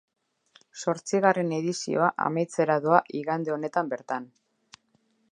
Zortzigarren edizioa amaitzera doa igande honetan bertan.